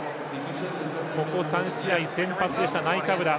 ここ３試合、先発でしたナイカブラ。